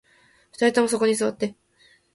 二人ともそこに座って